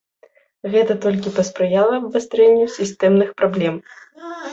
Гэта толькі паспрыяла абвастрэнню сістэмных праблем.